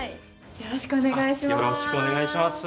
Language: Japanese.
よろしくお願いします。